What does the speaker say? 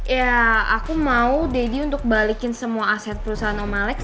ya aku mau daddy untuk balikin semua aset perusahaan om alex